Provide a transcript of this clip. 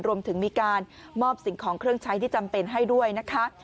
รวมถึงมีการมอบสิ่งของเครื่องใช้ที่จำเป็นให้ด้วยนะคะ